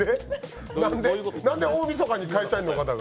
なんで大みそかに会社員の方が？